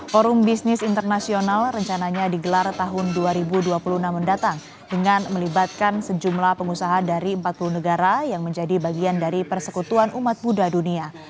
forum bisnis internasional rencananya digelar tahun dua ribu dua puluh enam mendatang dengan melibatkan sejumlah pengusaha dari empat puluh negara yang menjadi bagian dari persekutuan umat buddha dunia